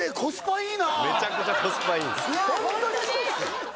めちゃくちゃコスパいいです